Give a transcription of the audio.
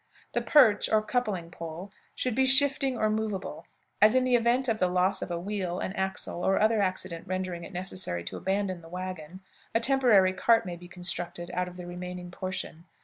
The perch or coupling pole should be shifting or movable, as, in the event of the loss of a wheel, an axle, or other accident rendering it necessary to abandon the wagon, a temporary cart may be constructed out of the remaining portion.